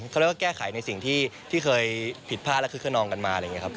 เขาเรียกว่าแก้ไขในสิ่งที่เคยผิดพลาดและคึกขนองกันมาอะไรอย่างนี้ครับ